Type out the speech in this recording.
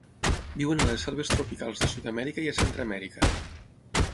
Viuen a les selves tropicals de Sud-amèrica i a Centreamèrica.